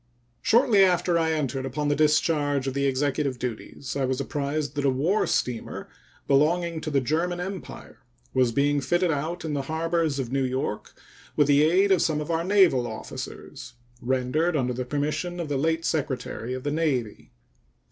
Shortly after I had entered upon the discharge of the Executive duties I was apprised that a war steamer belonging to the German Empire was being fitted out in the harbor of New York with the aid of some of our naval officers, rendered under the permission of the late Secretary of the Navy.